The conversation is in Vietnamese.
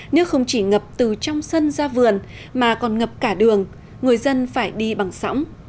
nước không chỉ ngập từ trong sân ra vườn mà còn ngập cả đường người dân phải đi bằng sõng